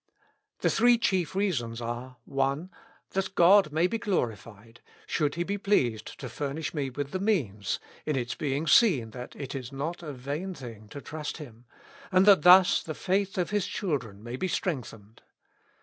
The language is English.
The three chief reasons are— i. That God may be glorified, should He be pleased to furnish me with the means, in its being seen that it is not a vain thing to 262 Notes. trust Him ; and that thus the faith of His children may be strengthened.